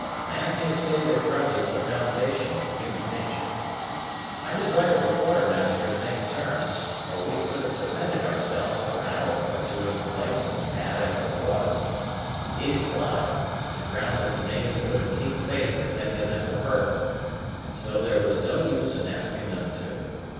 A man may say that grub is the foundation of human nature. I desired the Quartermaster to make terms, for we could have defended ourselves for an hour or two in the place, bad as it was; but he declined, on the ground that the knaves wouldn't keep faith if any of them were hurt, and so there was no use in asking them to.